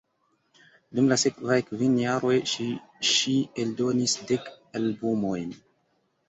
Dum la sekvaj kvin jaroj ŝi ŝi eldonis dek albumojn.